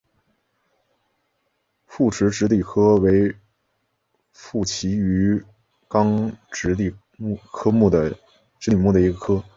复齿脂鲤科为辐鳍鱼纲脂鲤目的一个科。